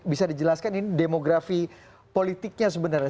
bisa dijelaskan ini demografi politiknya sebenarnya